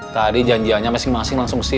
tadi janjiannya masing masing langsung mesti